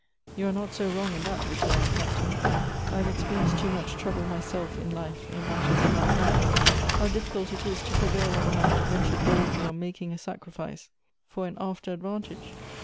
" You are not so wrong in that," returned the Captain ; "I have experienced too much trouble myself in life in matters of that kind. How difficult it is to prevail on a man to venture boldly on making a sacrifice for an after advantage